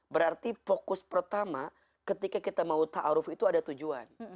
berarti fokus pertama ketika kita mau ta'aruf itu ada tujuan